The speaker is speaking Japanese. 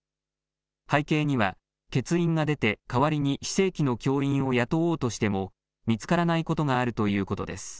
背景には、欠員が出て、代わりに非正規の教員を雇おうとしても見つからないことがあるということです。